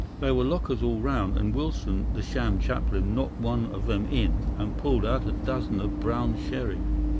There were lockers all round, and Wilson, the sham chaplain, knocked one of them in, and pulled out a dozen of brown sherry.